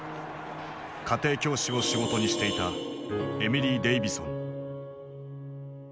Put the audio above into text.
家庭教師を仕事にしていたエミリー・デイヴィソン。